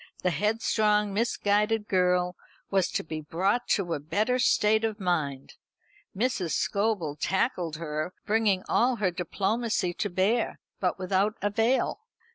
The headstrong misguided girl was to be brought to a better state of mind. Mrs. Scobel tackled her, bringing all her diplomacy to bear, but without avail.